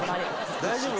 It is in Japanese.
大丈夫？